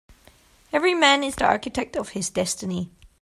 Every man is the architect of his destiny.